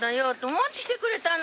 持ってきてくれたの？